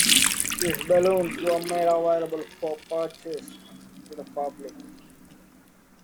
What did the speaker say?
These balloons were made available for purchase to the public.